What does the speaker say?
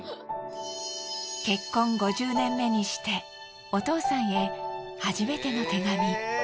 結婚５０年目にしてお父さんへ初めての手紙。